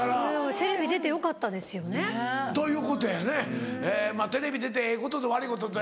テレビ出てよかったですよね。ということやねテレビ出てええことと悪いことって。